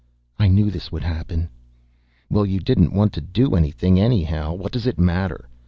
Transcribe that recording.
"I knew this would happen." "Well, you didn't want to do anything, anyhow. What does it matter?"